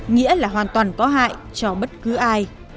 nghĩa là hoàn toàn có hại cho bất cứ ai